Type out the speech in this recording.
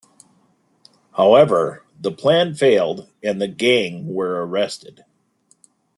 However, the plan failed, and the gang were arrested.